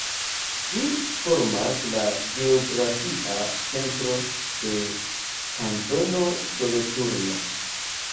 Ĝi formas la geografia centro de Kantono Soloturno.